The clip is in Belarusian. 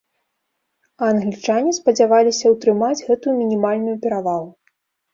А англічане спадзяваліся ўтрымаць гэтую мінімальную перавагу.